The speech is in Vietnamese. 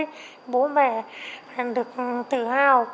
để cho bố mẹ được tự hào